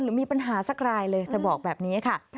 หรือมีปัญหาสักรายเลยเธอบอกแบบนี้ค่ะ